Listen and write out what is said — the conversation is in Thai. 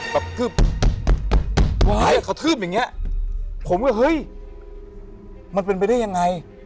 แบบคือว้ายอ่ะกระทืบอย่างเงี้ยผมก็เฮ้ยมันเป็นไปได้ยังไง